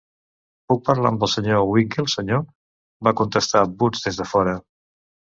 'Puc parlar amb el Sr. Winkle, senyor?', va contestar Boots des de fora.